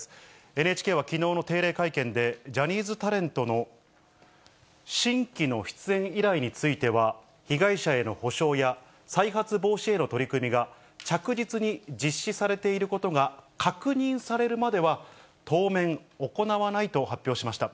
ＮＨＫはきのうの定例会見で、ジャニーズタレントの新規の出演依頼については、被害者への補償や再発防止への取り組みが着実に実施されていることが確認されるまでは、当面、行わないと発表しました。